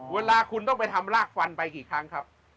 เวลาคุณต้องไปทำลากฟันไปกี่ครั้งครับ